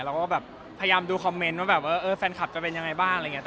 เราก็แบบพยายามดูคอมเมนต์ว่าแบบว่าแฟนคลับจะเป็นยังไงบ้างอะไรอย่างนี้